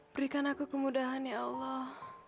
berikan aku kemudahan ya allah